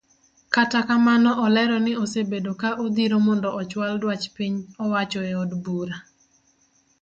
Kata kamano olero ni osebedo ka odhiro mondo ochual duach piny owacho eod bura.